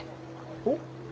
おっ？